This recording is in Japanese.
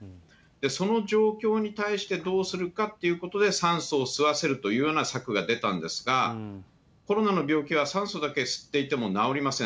その状況に対して、どうするかっていうことで酸素を吸わせるというような策が出たんですが、コロナの病気は酸素だけ吸っていても治りません。